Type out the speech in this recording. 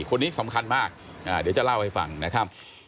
คนนี้สำคัญมากเดี๋ยวจะเล่าให้ฟังนะครับ